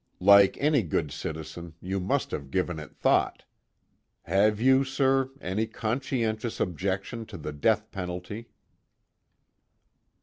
Like any good citizen, you must have given it thought. Have you, sir, any conscientious objection to the death penalty?"